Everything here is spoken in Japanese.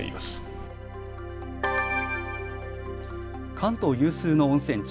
関東有数の温泉地